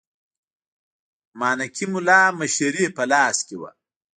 مانکي مُلا مشري په لاس کې وه.